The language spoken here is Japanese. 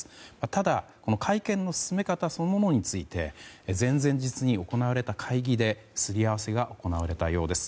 ただ、会見の進め方そのものについて前々日に行われた会議ですり合わせが行われたようです。